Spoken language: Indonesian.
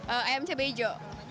ayam cabai hijau